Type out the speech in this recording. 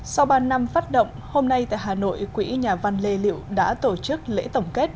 sau ba năm phát động hôm nay tại hà nội quỹ nhà văn lê liệu đã tổ chức lễ tổng kết